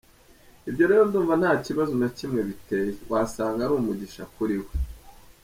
Ibyo rero ndumva nta kibazo na kimwe biteye, wasanga ari umugisha kuri we.